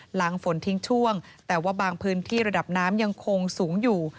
หลังฝนทิ้งช่วงแต่ว่าบางพื้นที่ระดับน้ำยังคงสูงอยู่